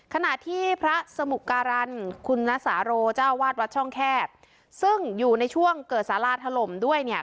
ขณะที่พระสมุการันคุณนสาโรเจ้าวาดวัดช่องแคบซึ่งอยู่ในช่วงเกิดสาราถล่มด้วยเนี่ย